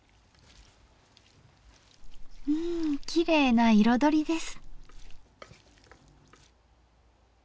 うんきれいな彩りです。